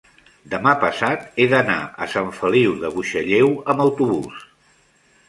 demà passat he d'anar a Sant Feliu de Buixalleu amb autobús.